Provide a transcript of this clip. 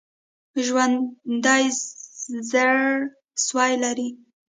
ژوندي زړسوي لري